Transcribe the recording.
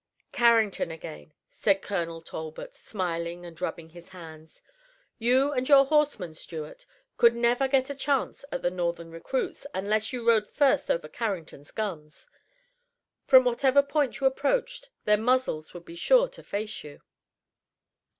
"Carrington again," said Colonel Talbot, smiling and rubbing his hands. "You and your horsemen, Stuart, could never get a chance at the Northern recruits, unless you rode first over Carrington's guns. From whatever point you approached their muzzles would be sure to face you."